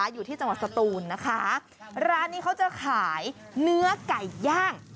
อยู่ที่จังหวัดสตูนนะคะร้านนี้เขาจะขายเนื้อไก่ย่าง